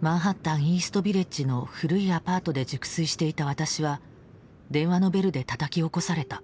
マンハッタンイースト・ビレッジの古いアパートで熟睡していた私は電話のベルでたたき起こされた。